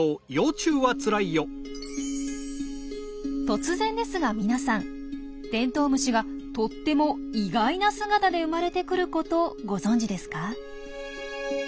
突然ですがみなさんテントウムシがとっても意外な姿で生まれてくることご存じですか？